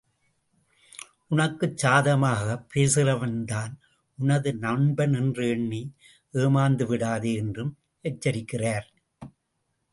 உனக்குச் சாதகமாகப் பேசுகிறவன்தான் உனது நண்பன் என்று எண்ணி ஏமாந்து விடாதே என்றும் எச்சரிக்கிறார்.